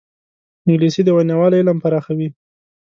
انګلیسي د ویناوال علم پراخوي